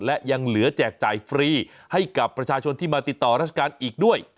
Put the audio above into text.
และยังเหลือแจกจ่ายฟรีให้กับประชาชนที่มาติดต่อราชการอีกด้วย